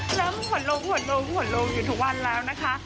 แล้วหว่นลงอยู่ทุกวันแล้วนะคะ